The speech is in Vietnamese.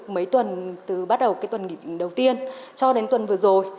mấy tuần từ bắt đầu cái tuần nghỉ đầu tiên cho đến tuần vừa rồi